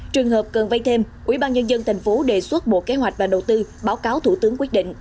trường hợp cần vay thêm ubnd tp đề xuất bộ kế hoạch và đầu tư báo cáo thủ tướng quyết định